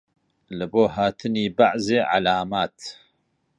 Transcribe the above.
لەبۆ هاتنی بەعزێ عەلامات